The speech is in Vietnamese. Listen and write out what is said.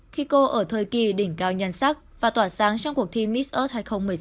khi cô ở thời kỳ đỉnh cao nhan sắc và tỏa sáng trong cuộc thi miss earth hai nghìn một mươi sáu